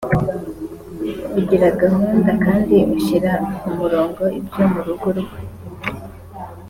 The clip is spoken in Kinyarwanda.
ugira gahunda kandi ushyira ku murongo ibyo mu rugo rwe